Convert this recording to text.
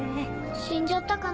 死んじゃったかな。